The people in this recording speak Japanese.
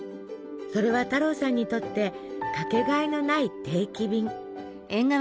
それは太郎さんにとって掛けがえのない「定期便」。